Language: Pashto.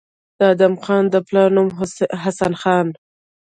د ادم خان د پلار نوم حسن خان